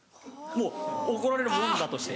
もう怒られるもんだとして。